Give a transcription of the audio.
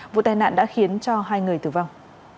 vụ tai nạn đã khiến cho hai người tử vong